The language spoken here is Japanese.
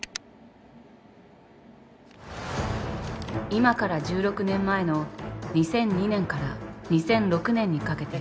今から１６年前の２００２年から２００６年にかけて。